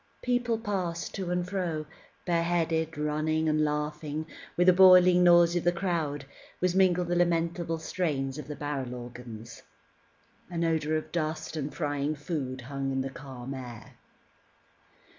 People passed to and fro, bareheaded, running, and laughing; and with the bawling noise of the crowd was mingled the lamentable strains of the barrel organs. An odour of dust and frying food hung in the calm air.